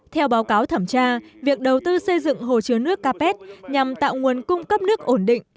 theo báo cáo thẩm tra việc đầu tư xây dựng hồ chứa nước capet nhằm tạo nguồn cung cấp nước ổn định